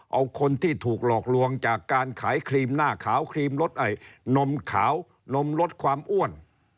เอาคนที่ถูกหลอกลวงจากการขายครีมหน้าขาวนมขาวนมลดความอ้วน